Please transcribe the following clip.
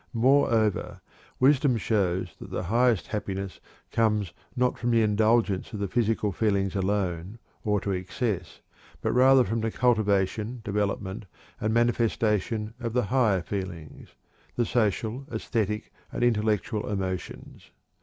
Moreover, wisdom shows that the highest happiness comes not from the indulgence of the physical feelings alone, or to excess, but rather from the cultivation, development, and manifestation of the higher feelings the social, æsthetic, and intellectual emotions.